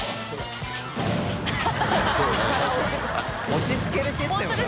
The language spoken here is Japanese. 押しつけるシステムだ。